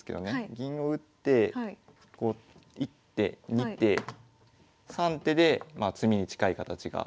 銀を打って１手２手３手でまあ詰みに近い形が作れる。